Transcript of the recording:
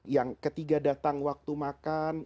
yang ketiga datang waktu makan